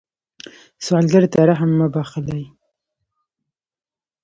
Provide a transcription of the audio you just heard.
سوالګر ته رحم مه بخلئ